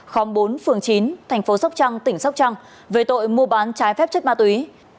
khóm bốn phường chín thành phố sóc trăng tỉnh sóc trăng về tội mua bán trái phép chất ma túy